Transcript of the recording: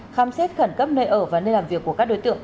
khám xét khẩn cấp nơi ở và nơi làm việc của các đối tượng